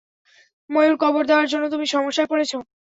ময়ূর কবর দেওয়ার জন্য তুমি সমস্যায় পড়েছ।